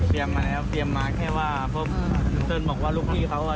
เตรียมมาไหนครับเตรียมมาแค่ว่าเพราะเตือนบอกว่าลูกพี่เขา